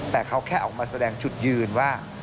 แต่เขาแค่ออกมาแสดงจุดยืนว่า